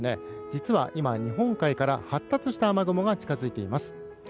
実は今、日本海から発達した雨雲が近づいています。